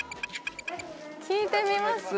聞いてみます？